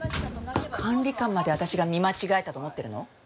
管理官まで私が見間違えたと思ってるの？